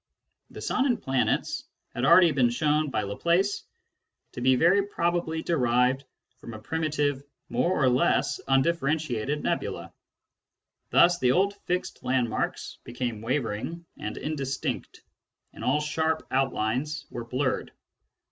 The sun and planets had already been shown by Laplace to be very probably derived from a primitive more or less undifferentiated nebula. Thus the old fixed landmarks became wavering and indistinct, and all sharp outlines were blurred.